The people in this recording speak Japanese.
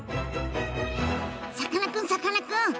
さかなクンさかなクン。